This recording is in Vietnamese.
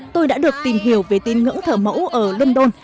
tôi đã được tìm hiểu về tín ngưỡng thờ mẫu ở london